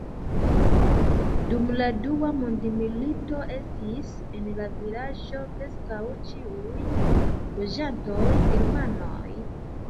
Dum la dua mondmilito estis en la vilaĝo preskaŭ ĉiuj loĝantoj germanoj.